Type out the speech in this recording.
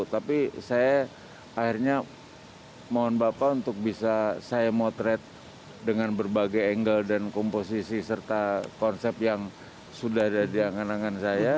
tapi saya akhirnya mohon bapak untuk bisa saya motret dengan berbagai angle dan komposisi serta konsep yang sudah ada di angan angan saya